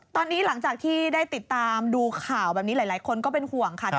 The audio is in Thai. ตอนนี้หลังจากที่ได้ติดตามดูข่าวแบบนี้หลายคนก็เป็นห่วงค่ะ